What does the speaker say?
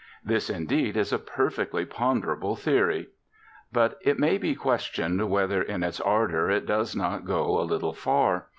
This, indeed, is a perfectly ponderable theory. But it may be questioned whether in its ardour it does not go a little far.